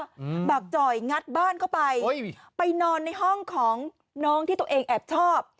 อืมบากจ่อยงัดบ้านเข้าไปโอ้ยไปนอนในห้องของน้องที่ตัวเองแอบชอบ